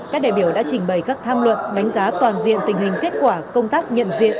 các đại biểu đã trình bày các tham luận đánh giá toàn diện tình hình kết quả công tác nhận diện